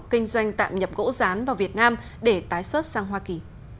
kinh doanh tạm nhập gỗ rán vào việt nam để tái xuất sang hoa kỳ